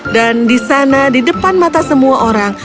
dan di sana di depan mata semua orang